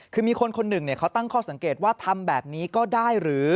คือมีคนคนหนึ่งเขาตั้งข้อสังเกตว่าทำแบบนี้ก็ได้หรือ